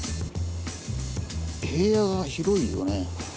平野が広いよね。